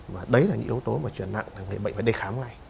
và đấy là những yếu tố mà chuyển nặng là người bệnh phải đi khám ngay